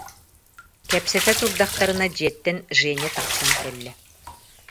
Кэпсэтэ турдахтарына дьиэттэн Женя тахсан кэллэ: